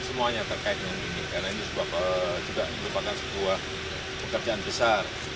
semuanya terkait dengan ini karena ini juga merupakan sebuah pekerjaan besar